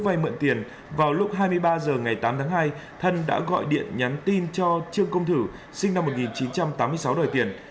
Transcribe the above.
vay mượn tiền vào lúc hai mươi ba h ngày tám tháng hai thân đã gọi điện nhắn tin cho trương công thử sinh năm một nghìn chín trăm tám mươi sáu đòi tiền